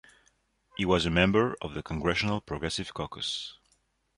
He was a member of the Congressional Progressive Caucus.